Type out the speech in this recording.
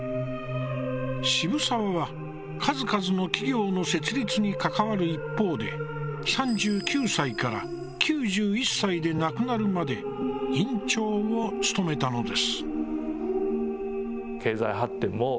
渋沢は数々の企業の設立に関わる一方で３９歳から９１歳で亡くなるまで院長を務めたのです。